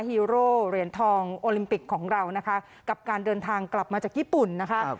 ฮีโร่เหรียญทองโอลิมปิกของเรานะคะกับการเดินทางกลับมาจากญี่ปุ่นนะคะ